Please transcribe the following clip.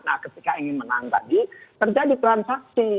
nah ketika ingin menang tadi terjadi transaksi